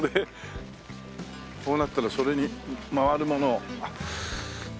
こうなったらそれに回るものを。